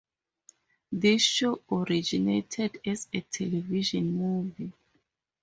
This show originated as a television movie.